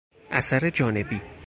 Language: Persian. اثر جانبی